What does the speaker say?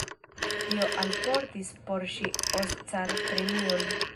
Tio alportis por ŝi Oscar-premion.